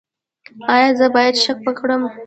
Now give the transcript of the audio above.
ایا زه باید شک وکړم؟